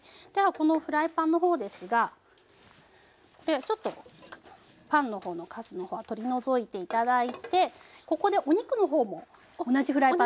このフライパンの方ですがこれちょっとパンの方のカスの方は取り除いて頂いてここでお肉の方も同じフライパンで。